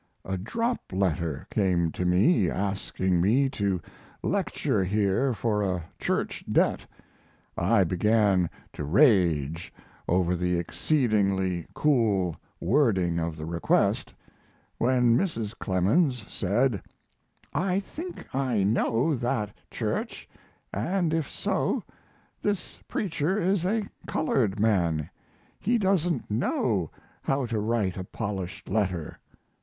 A drop letter came to me asking me to lecture here for a church debt. I began to rage over the exceedingly cool wording of the request, when Mrs. Clemens said: "I think I know that church, and, if so, this preacher is a colored man; he doesn't know how to write a polished letter.